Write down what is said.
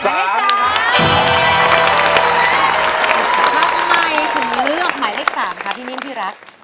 ทำไมคุณเลือกหมายเลข๓ครับพี่นิ้มพี่รัก